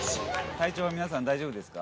体調は皆さん大丈夫ですか？